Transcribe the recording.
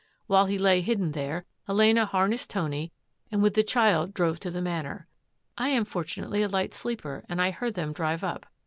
While he lay hidden there, Elena harnessed Tony and with the child drove to the Manor. I am fortunately a light sleeper and I heard them drive up.